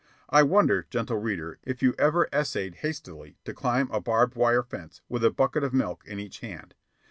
I wonder, gentle reader, if you ever essayed hastily to climb a barbed wire fence with a bucket of milk in each hand.